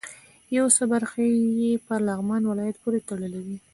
یو څه برخې یې په لغمان ولایت پورې تړلې وې.